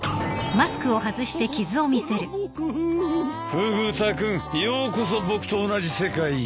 フグ田君ようこそ僕と同じ世界へ。